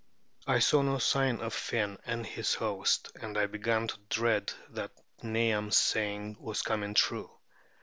I saw no sign of Finn and his host, and I began to dread that Niam's saying was coming true.